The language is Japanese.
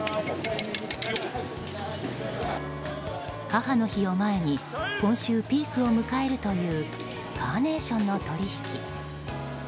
母の日を前に、今週ピークを迎えるというカーネーションの取引。